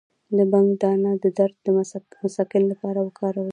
د بنګ دانه د درد د مسکن لپاره وکاروئ